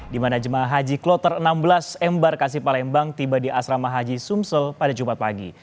di mana jemaah haji kloter enam belas embarkasi palembang tiba di asrama haji sumsel pada jumat pagi